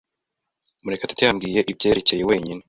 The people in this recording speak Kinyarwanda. Murekatete yambwiye ibyerekeye wenyine.